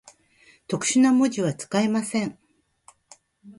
特殊な文字は、使えません。